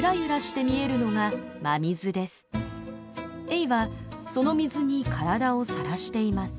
エイはその水に体をさらしています。